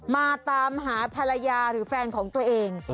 มาตามหาภรรยาหรือแฟนของตัวเอง